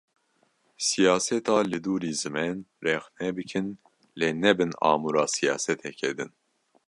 Siyaseta li dûrî zimên rexne bikin lê nebin amûra siyaseteke din.